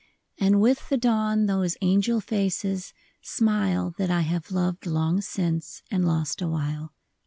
And with the dawn those angel faces smile That I have loved long since, and lost awhile."